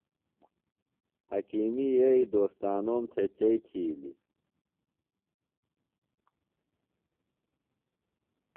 حکیمی یئییۡ دوستانوم تھےۡ چئی تِھیلیۡ۔